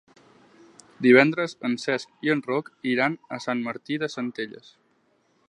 Divendres en Cesc i en Roc iran a Sant Martí de Centelles.